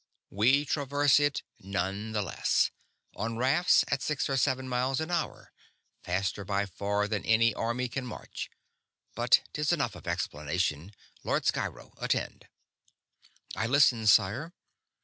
"We traverse it, nonetheless. On rafts, at six or seven miles an hour, faster by far than any army can march. But 'tis enough of explanation. Lord Sciro, attend!" "I listen, sire."